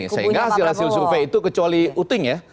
saya gak hasil hasil survei itu kecuali uting ya